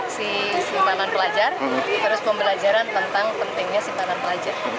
si simpanan pelajar terus pembelajaran tentang pentingnya simpanan pelajar